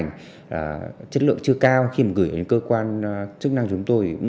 những cái hình ảnh chất lượng chưa cao khi mà gửi đến cơ quan chức năng chúng tôi